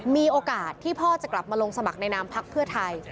มีโอกาสที่พ่อจะกลับมาลงสมัครในนามพักเพื่อไทย